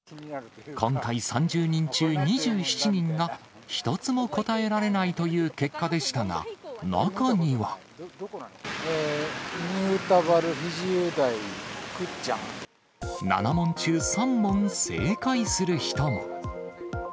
今回、３０人中２７人が、１つも答えられないという結果でしたが、にゅうたばる、ひじゅうだい、７問中３問正解する人も。